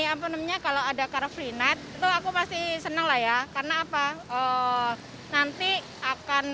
apa namanya kalau ada car free night itu aku pasti senang lah ya karena apa oh nanti akan